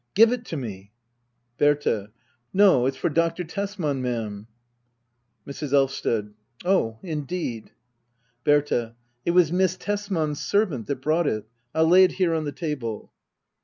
Give it to me ! Berta. No^ it's for Dr. Tesman^ ma'am. Mrs. Elvsted. Oh^ indeed. Berta. It was Miss Tesman's servant that brought it. I'll lay it here on the table.